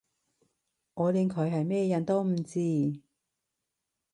我連佢係咩人都唔知